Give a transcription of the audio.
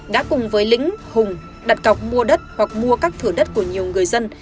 đã cùng với lĩnh hùng đặt cọc mua đất hoặc mua các thửa đất của nhiều người dân